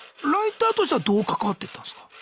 ライターとしてはどう関わっていったんすか？